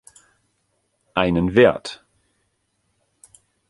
Einen Wert!